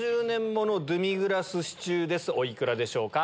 お幾らでしょうか？